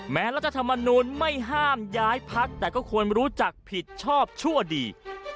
รัฐธรรมนูลไม่ห้ามย้ายพักแต่ก็ควรรู้จักผิดชอบชั่วดี